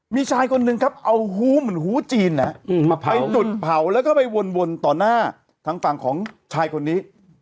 มีชายคนหนึ่งครับเอาฮู้เหมือนฮู้จีนไปจุดเผาแล้วก็ไปวนต่อหน้าทางฝั่งของชายคนนี้